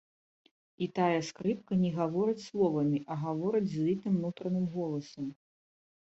І тая скрыпка не гаворыць словамі, а гаворыць злітым нутраным голасам.